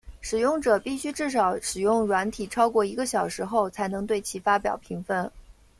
使用者必须至少使用软体超过一个小时后才能对其发表评分。